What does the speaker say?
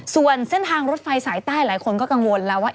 ส่วนเส้นทางรถไฟสายใต้หลายคนก็กังวลแล้วว่า